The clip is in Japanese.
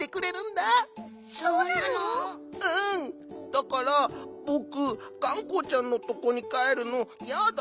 だからぼくがんこちゃんのとこにかえるのやだ。